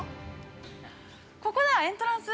◆ここだ、エントランス？